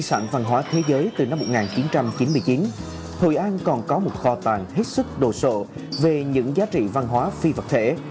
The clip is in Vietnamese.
di sản văn hóa thế giới từ năm một nghìn chín trăm chín mươi chín hội an còn có một kho tàng hết sức đồ sộ về những giá trị văn hóa phi vật thể